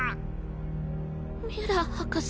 ミュラー博士。